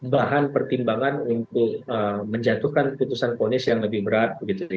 bahan pertimbangan untuk menjatuhkan putusan ponis yang lebih berat